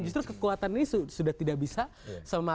justru kekuatan ini sudah tidak bisa